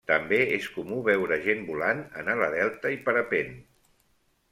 També és comú veure gent volant en ala delta i parapent.